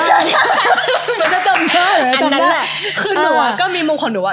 อันนั้นแหละคือหนูอะก็มีมุมของหนูอะ